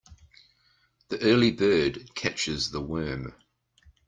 The early bird catches the worm.